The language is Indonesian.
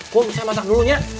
kum saya masak dulunya